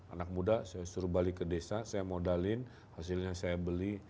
anak muda saya suruh balik ke desa saya modalin hasilnya saya beli